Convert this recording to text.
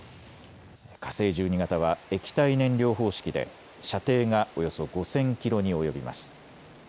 火星１２型は液体燃料方式で射程がおよそ５０００キロに及びます。